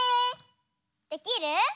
できる？